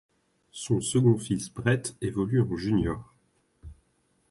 Son second fils Brett évolue en junior.